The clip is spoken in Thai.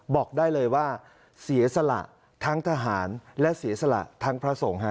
บอกได้เลยว่าเสียสละทั้งทหารและเสียสละทั้งพระสงฆ์